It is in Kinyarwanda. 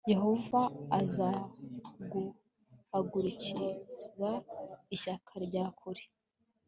yehova azaguhagurukiriza ishyanga rya kure